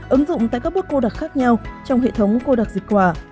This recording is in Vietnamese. ứng dụng tại các bút cô đặc khác nhau trong hệ thống cô đặc dịch quả